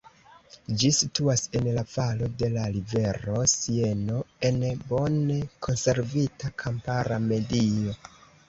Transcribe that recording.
Ĝi situas en la valo de la rivero Sieno en bone konservita kampara medio.